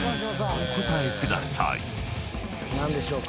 お答えください］何でしょうか？